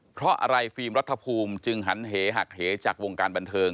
เพราะอะไรฟิล์มรัฐภูมิจึงหันเหหักเหจากวงการบันเทิง